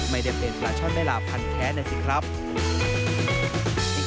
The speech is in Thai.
ไม่ได้เป็นปลาช่อนแม่ลาพันแท้นะสิครับ